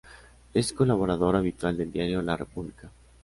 Es colaborador habitual del diario "La Repubblica".